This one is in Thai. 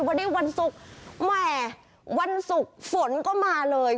วันนี้วันศุกร์แหมวันศุกร์ฝนก็มาเลย